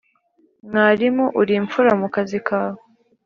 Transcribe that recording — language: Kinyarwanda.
Mwarimu uri imfura mu kazi kawe!